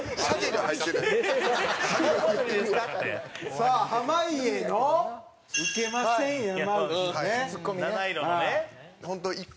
さあ、濱家の「ウケません、山内」ね。